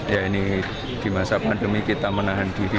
ya ini di masa pandemi kita menahan diri